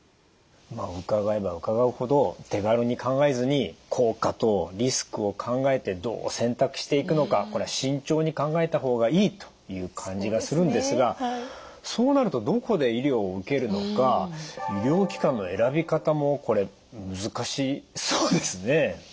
伺えば伺うほど手軽に考えずに効果とリスクを考えてどう選択していくのかこれは慎重に考えた方がいいという感じがするんですがそうなるとどこで医療を受けるのか医療機関の選び方もこれ難しいですね。